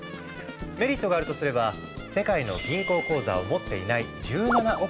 メリットがあるとすれば世界の銀行口座を持っていない１７億人もの人々。